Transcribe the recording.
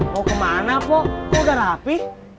mau kemana pok kok udah rapih